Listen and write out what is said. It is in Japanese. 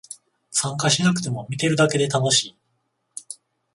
参加しなくても見てるだけで楽しい